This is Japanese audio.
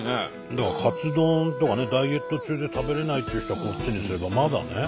だからカツ丼とかねダイエット中で食べれないっていう人はこっちにすればまだね。